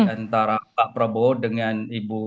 antara pak prabowo dengan ibu